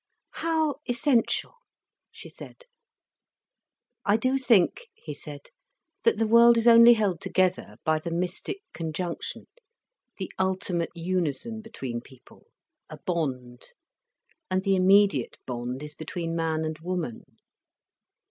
"How essential?" she said. "I do think," he said, "that the world is only held together by the mystic conjunction, the ultimate unison between people—a bond. And the immediate bond is between man and woman."